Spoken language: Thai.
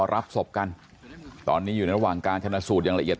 แล้วก็ยัดลงถังสีฟ้าขนาด๒๐๐ลิตร